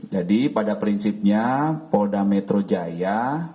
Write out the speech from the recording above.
jadi pada prinsipnya polda metro jaya